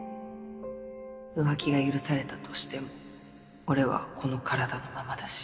浮気が許されたとしても俺はこの体のままだし